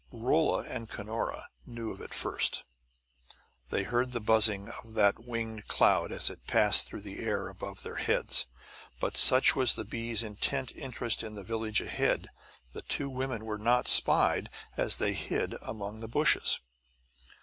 Rolla and Cunora knew of it first. They heard the buzzing of that winged cloud as it passed through the air above their heads; but such was the bees' intent interest in the village ahead, the two women were not spied as they hid among the bushes.